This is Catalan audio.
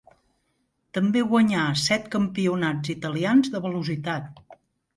També guanyà set campionats italians de velocitat.